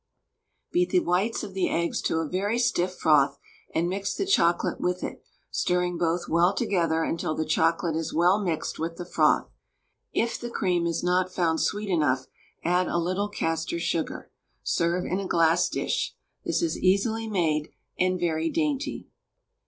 Beat the whites of the eggs to a very stiff froth, and mix the chocolate with it, stirring both well together until the chocolate is well mixed with the froth. It the cream is not found sweet enough, add a little castor sugar. Serve in a glass dish. This is easily made, and very dainty.